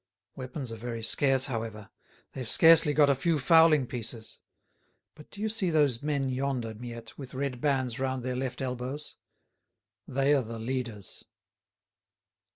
Weapons are very scarce, however; they've scarcely got a few fowling pieces. But do you see those men yonder, Miette, with red bands round their left elbows? They are the leaders."